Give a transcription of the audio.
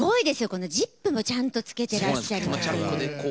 このジップもちゃんとつけてらっしゃるっていう。